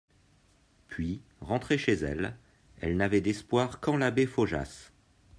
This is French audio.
Puis, rentrée chez elle, elle n'avait d'espoir qu'en l'abbé Faujas.